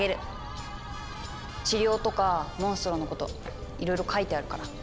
治療とかモンストロのこといろいろ書いてあるから。